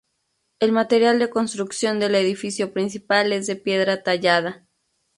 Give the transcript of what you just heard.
El material de construcción del edificio principal es de piedra tallada.